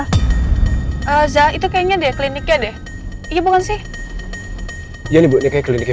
elsa elsa elsa itu kayaknya dia kliniknya deh iya bukan sih ya ini buatnya kayaknya